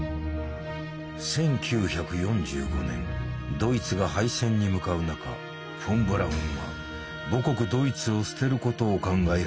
ドイツが敗戦に向かう中フォン・ブラウンは母国ドイツを捨てることを考え始めていた。